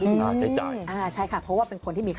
อย่างแรกเลยก็คือการทำบุญเกี่ยวกับเรื่องของพวกการเงินโชคลาภ